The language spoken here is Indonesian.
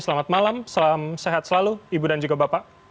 selamat malam salam sehat selalu ibu dan juga bapak